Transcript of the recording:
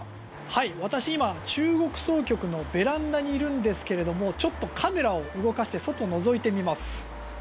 私、今、中国総局のベランダにいるんですけれどもちょっとカメラを動かして外、のぞいてみます。